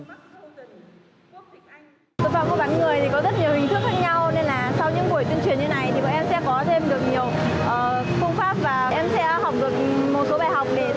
tội phạm mua bán người thì có rất nhiều hình thức khác nhau nên là sau những buổi tuyên truyền như này thì bọn em sẽ có thêm được nhiều phương pháp và em sẽ học được một số bài học